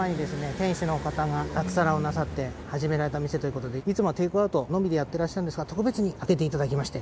店主の方が脱サラをなさって始められた店ということでいつもはテークアウトのみでやってらっしゃるんですが特別に開けていただきまして。